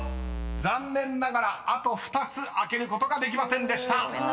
［残念ながらあと２つ開けることができませんでした］